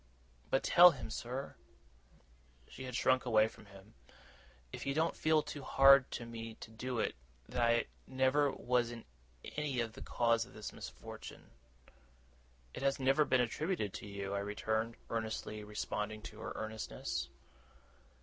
But tell him, sir,' she had shrunk away from him, 'if you don't feel too hard to me to do it, that I never was in any way the cause of his misfortune.' 'It has never been attributed to you,' I returned, earnestly responding to her earnestness.